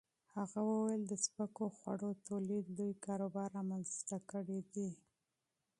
هغه وویل د سپکو خوړو تولید لوی کاروبار رامنځته کړی دی.